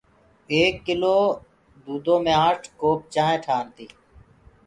ايڪ ڪلو دودو مي آٺ ڪوپ چآنٚه ٺآن تي